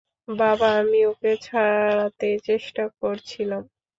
বাবা, আমি ওকে ছাড়াতে চেষ্টা করছিলাম।